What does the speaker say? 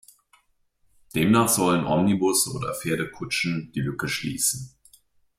Demnach sollen Omnibusse oder Pferdekutschen die Lücke schließen.